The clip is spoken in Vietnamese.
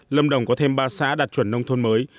lâm đồng có thêm ba xã đạt chuẩn nông thôn mới